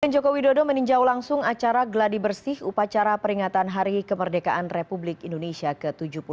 joko widodo meninjau langsung acara gladibersih upacara peringatan hari kemerdekaan republik indonesia ke tujuh puluh satu